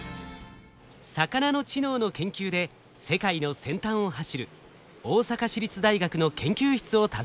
魚の知能の研究で世界の先端を走る大阪市立大学の研究室を訪ねました。